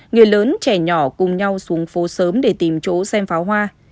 người lớn trẻ nhỏ cùng nhau xuống phố sớm để tìm chỗ xem pháo hoa